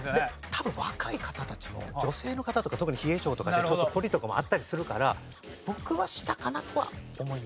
多分若い方たちも女性の方とか特に冷え性とかでちょっとコリとかもあったりするから僕は下かなとは思います。